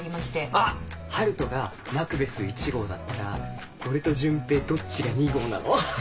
あっ春斗がマクベス１号だったら俺と潤平どっちが２号なの？